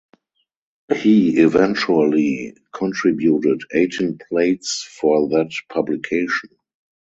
He eventually contributed eighteen plates for that publication.